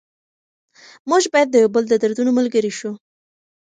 موږ باید د یو بل د دردونو ملګري شو.